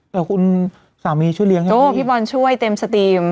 แต่คุณสามีช่วยเลี้ยงใช่ไหมโอ้พี่บอลช่วยเต็มสตรีม